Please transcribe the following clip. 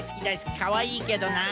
かわいいけどな。